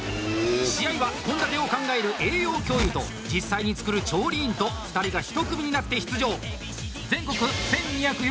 試合は献立を考える栄養教諭と実際に作る調理員と２人が１組になって出場。